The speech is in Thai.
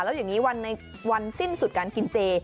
แล้วอย่างนี้วันสิ้นสุดการกินเจ